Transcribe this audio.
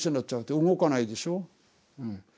で動かないでしょ。